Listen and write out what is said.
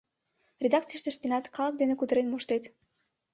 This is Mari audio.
Редакцийыште ыштенат, калык дене кутырен моштет.